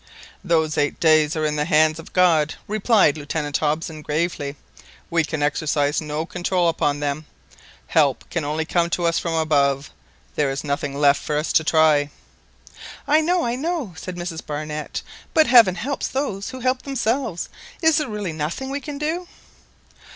"Those eight days are in the hands of God," replied Lieutenant Hobson gravely; "we can exercise no control upon them. Help can only come to us from above; there is nothing left for us to try." "I know, I know!" said Mrs Barnett; "but Heaven helps those who help themselves. Is there really nothing we can do?"